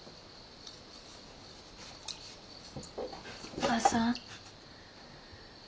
お母さん。